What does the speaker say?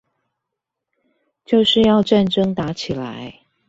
就是要戰爭打起來